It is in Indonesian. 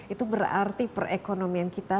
itu berarti perekonomian kita